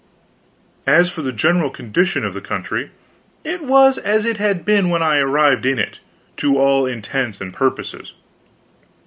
As for the general condition of the country, it was as it had been when I arrived in it, to all intents and purposes.